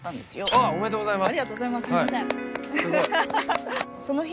ありがとうございます。